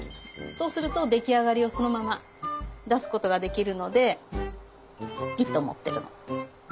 そうすると出来上がりをそのまま出すことができるのでいいと思ってるの。